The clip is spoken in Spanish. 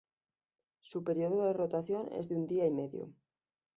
Su período de rotación es de un día y medio.